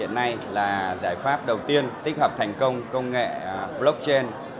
hiện nay là giải pháp đầu tiên tích hợp thành công công nghệ blockchain